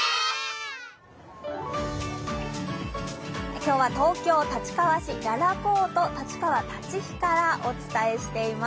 今日は東京・立川市、ららぽーと立川からお伝えしています。